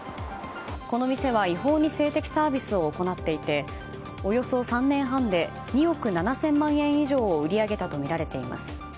この店は違法に性的サービスを行っていておよそ３年半で２億７０００万円以上を売り上げたとみられています。